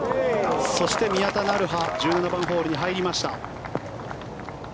そして宮田成華１７番ホールに入りました。